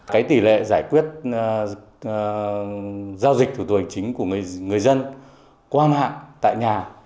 cái tỷ lệ giải quyết giao dịch thủ tục hành chính của người dân qua mạng tại nhà